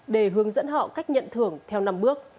để hướng dẫn họ cách nhận thưởng theo năm bước